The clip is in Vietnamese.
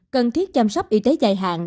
cần thiết chăm sóc y tế dài hạn